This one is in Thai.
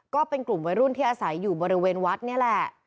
ก็เป็นกลุ่มวัยรุ่นที่อาศัยอยู่บริเวณวัดนี่แหละ